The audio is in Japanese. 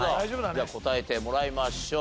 じゃあ答えてもらいましょう。